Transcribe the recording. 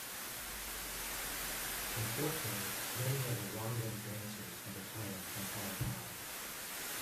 Unfortunately, many of the wangan dancers have retired from ParaPara.